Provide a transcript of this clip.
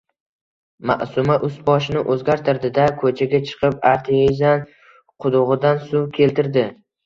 Maʼsuma ust-boshini oʼzgartirdi-da, koʼchaga chiqib, artezian qudugʼidan suv keltirdi.